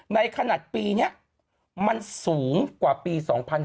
ในขณะปีนี้มันสูงกว่าปี๒๕๕๙